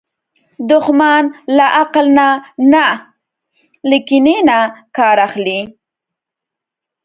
دښمن له عقل نه، له کینې نه کار اخلي